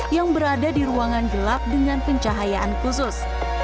yang berada di ruangan gelap dengan pencahayaan khusus